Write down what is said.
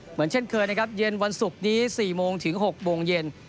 เหมือนเช่นเคยนะครับเย็นวันศุกร์นี้๔โมงถึง๖โมงเย็น